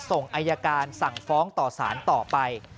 ส่งอายการสั่งฟ้องต่อสารต่อไป